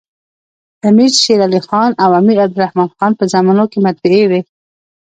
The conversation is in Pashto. د امیر شېرعلي خان او امیر عبدالر حمن په زمانو کي مطبعې وې.